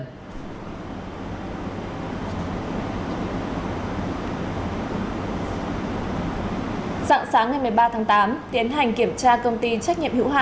sẵn sàng ngày một mươi ba tháng tám tiến hành kiểm tra công ty trách nhiệm hữu hạ